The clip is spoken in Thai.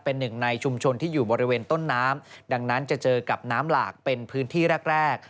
เป็นหนึ่งในชุมชนที่อยู่บริเวณต้นน้ำดังนั้นจะเจอกับน้ำหลากเป็นพื้นที่แรกแรก